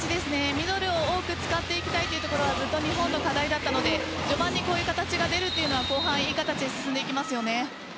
ミドルを多く使っていきたいというところはずっと日本の課題だったので序盤にこういう形が出るのは後半、いい形に進んできますよね。